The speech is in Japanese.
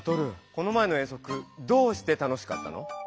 この前の遠足どうして楽しかったの？